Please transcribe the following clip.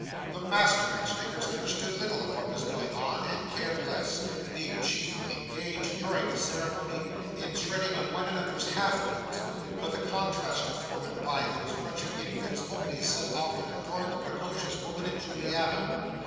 The Master MacStingers understood little of what was going on, and cared less; being chiefly engaged, during the ceremony, in treading on one another's half boots; but the contrast afforded by those wretched infants only set off and adorned the precocious woman in Juliana.